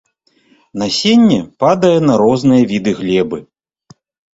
Насенне падае на розныя віды глебы.